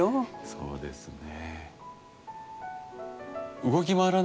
そうですね。